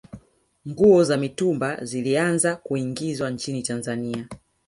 nguo za mitumba zilianza kuingizwa nchini tanzania